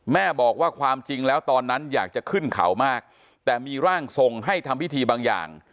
แม่บอกว่าความจริงแล้วตอนนั้นอยากจะขึ้นเขามากแต่มีร่างทรงให้ทำพิธีบางอย่าง